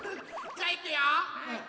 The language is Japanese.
じゃいくよ！